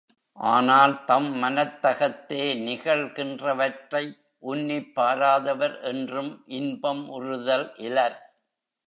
ஆனால் தம் மனத்தகத்தே நிகழ்கின்றவற்றை உன்னிப் பாராதவர் என்றும் இன்பம் உறுதல் இலர்.